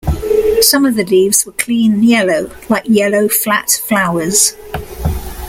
Some of the leaves were clean yellow, like yellow flat flowers.